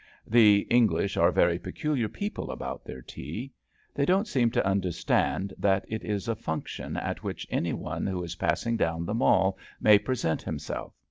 The Eng lish are very peculiar people about their tea. They don't seem to understand that it is a func tion at which any one who is passing down the Mall may present himself.